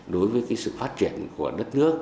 đối với cái sự phát triển của đất nước